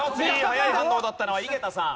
早い反応だったのは井桁さん。